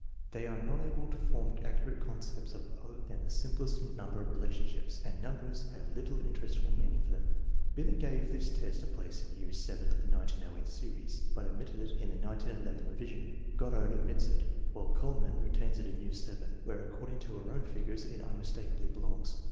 They are not able to form accurate concepts of other than tlie simplest number relationships, and numbers have little interest or meaning for them. Binet gave this test a place in year VII of the 1908 series, 190 THE MEASUREMENT OF INTELLIGENCE but omitted it in the 1911 revision. Goddard omits it, while Kuhlmann retains it in year VII, where, according to our own figures, it unmistakably belongs.